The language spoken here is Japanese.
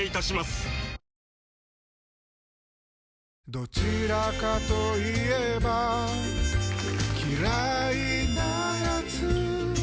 どちらかと言えば嫌いなやつ